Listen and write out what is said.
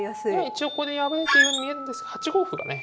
一応ここで破れているように見えるんですが８五歩がね